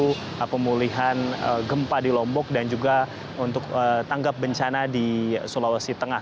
jadi ini adalah satu peran yang sangat penting untuk membantu pemulihan gempa di lombok dan juga untuk tanggap bencana di sulawesi tengah